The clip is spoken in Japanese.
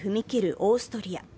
オーストリア。